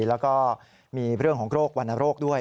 แล้วก็มีเรื่องของโรควรรณโรคด้วย